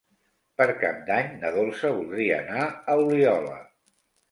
Per Cap d'Any na Dolça voldria anar a Oliola.